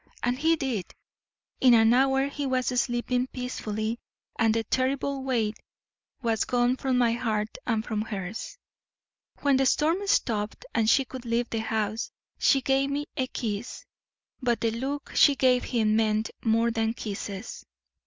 And he did; in an hour he was sleeping peacefully, and the terrible weight was gone from my heart and from hers. When the storm stopped, and she could leave the house, she gave me a kiss; but the look she gave him meant more than kisses.